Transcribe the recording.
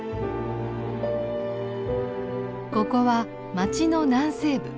ここは町の南西部。